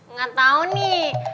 ngga tau nih